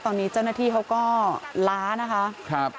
ตอนนี้เจ้าหน้าที่เขาก็ล้านะคะ